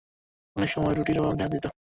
অনেক সময় রুটির অভাব দেখা দিত।